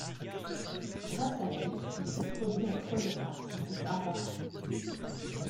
Grâce à elle, il se produit en première partie de Barbara.